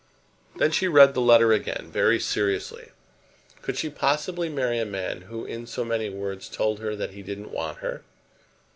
Then she read the letter again very seriously. Could she possibly marry a man who in so many words told her that he didn't want her?